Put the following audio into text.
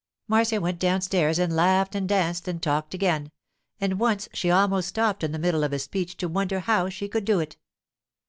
Marcia went downstairs and laughed and danced and talked again, and once she almost stopped in the middle of a speech to wonder how she could do it.